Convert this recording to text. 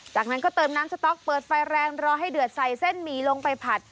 จากนั้นก็เติมน้ำสต๊อกเปิดไฟแรงรอให้เดือดใส่เส้นหมี่ลงไปผัด